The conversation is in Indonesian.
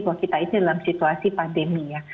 bahwa kita ini dalam situasi pandemi ya